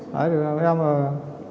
đấy đúng không